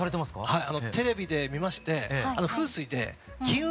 はい。